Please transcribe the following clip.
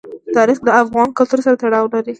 تاریخ د افغان کلتور سره تړاو لري.